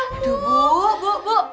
aduh bu bu bu